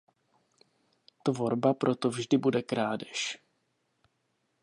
Tvorba proto vždy bude krádež.